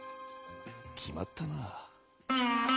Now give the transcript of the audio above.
決まったなあ。